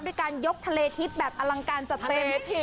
ด้วยการยกทะเลทิศแบบอลังการจัดเต็ม